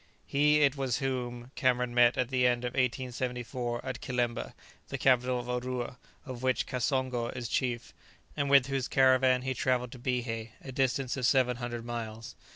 He it was whom Cameron met at the end of 1874 at Kilemba, the capital of Urua, of which Kasongo is chief, and with whose caravan he travelled to Bihé, a distance of seven hundred miles.